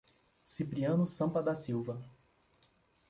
Cipriano Sampa da Silva